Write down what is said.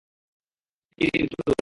ইরিন, কী হলো?